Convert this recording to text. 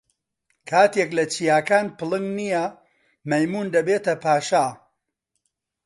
کاتێک لە چیاکان پڵنگ نییە، مەیموون دەبێتە پاشا.